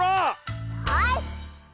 よし！